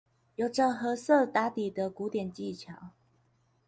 有著褐色打底的古典技巧